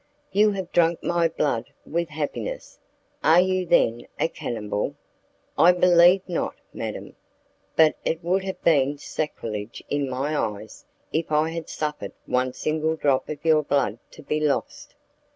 "You have drunk my blood with happiness! Are you then a cannibal?" "I believe not, madam; but it would have been sacrilege in my eyes if I had suffered one single drop of your blood to be lost."